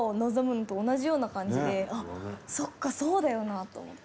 そっかそうだよなと思って。